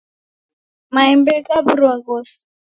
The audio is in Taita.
Maembe ghaw'urwa ghose.